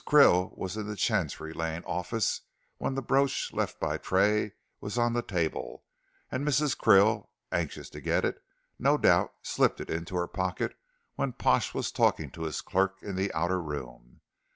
Krill was in the Chancery Lane office when the brooch left by Tray was on the table, and Mrs. Krill, anxious to get it, no doubt slipped it into her pocket when Pash was talking to his clerk in the outer room.